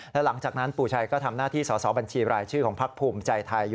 และหลังจากนั้นปู่ชัยก็ทำหน้าที่สอสอบัญชีรายชื่อของพักภูมิใจไทย